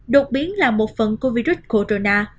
đột biến là một phần của virus corona